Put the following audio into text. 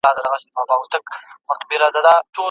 ازموینه د انسان اصلي څیره روښانه کوي.